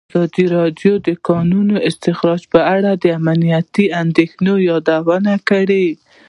ازادي راډیو د د کانونو استخراج په اړه د امنیتي اندېښنو یادونه کړې.